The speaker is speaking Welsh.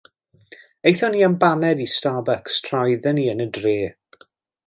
Aethon ni am baned i Starbucks tra oedden ni yn y dre.